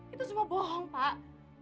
itu semua bohong pak